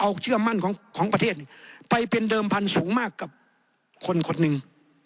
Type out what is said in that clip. เอาเชื่อมั่นของประเทศไปเป็นเดิมพันธุ์สูงมากกับคนคนหนึ่ง